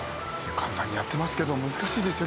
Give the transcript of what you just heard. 簡単にやってますけど難しいですよきっと。